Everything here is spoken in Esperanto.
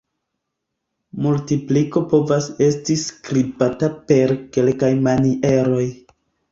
Multipliko povas esti skribata per kelkaj manieroj.